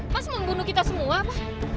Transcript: mas membunuh kita semua pak